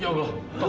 ya allah gimana ini